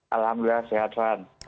alhamdulillah sehat fani